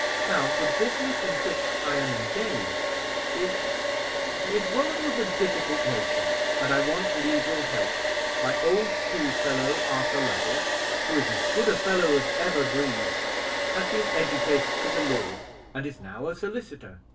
"Now the business in which I am engaged is—is rather of a difficult nature, and I want legal help. My old schoolfellow, Arthur Lovell, who is as good a fellow as ever breathed, has been educated for the law, and is now a solicitor.